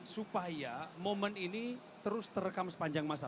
supaya momen ini terus terekam sepanjang masa